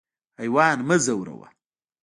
حیوان مه ځوروه.